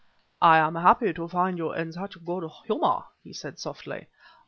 "I am happy to find you in such good humor," he said softly.